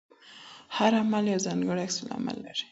هر عمل یو ځانګړی عکس العمل لري.